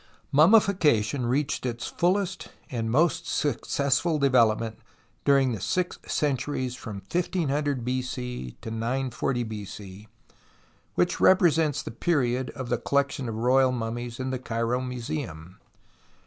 Mummification reached its fullest and most successful development during the six cen turies from 1500 B.C. to 940 B.C., which repre sents the period of the collection of royal mummies in the Cairo IVluseum.